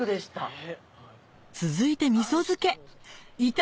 え！